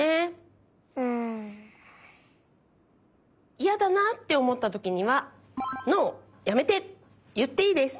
イヤだなっておもったときには「ＮＯ」「やめて」いっていいです。